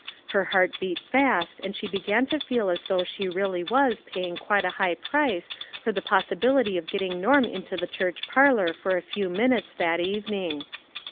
Her heart beat fast and she began to feel as though she really was paying quite a high price for the possibility of getting Norm into the church parlor for a few minutes that evening.